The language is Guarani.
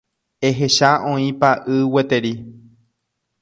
Ehecha oĩpa y gueteri.